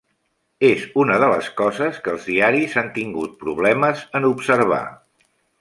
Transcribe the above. És una de les coses que els diaris han tingut problemes en observar.